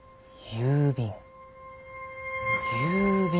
郵便。